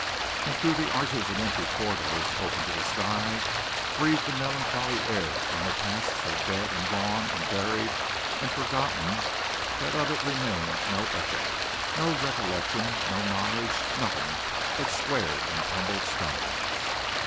And through the arches and the empty corridors open to the sky breathed a melancholy air from a past so dead and gone and buried and forgotten that of it remained no echo, no recollection, no knowledge, nothing but squared and tumbled stones.